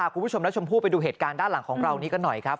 คุณผู้ชมและชมพู่ไปดูเหตุการณ์ด้านหลังของเรานี้กันหน่อยครับ